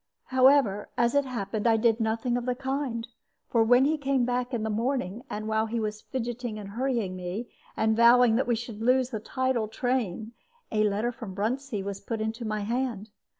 However, as it happened, I did nothing of the kind, for when he came back in the morning, and while he was fidgeting and hurrying me, and vowing that we should lose the tidal train, a letter from Bruntsea was put into my hand.